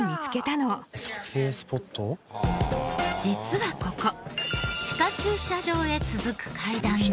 実はここ地下駐車場へ続く階段で。